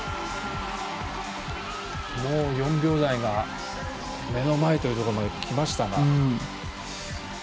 もう４秒台が目の前というところまできましたが。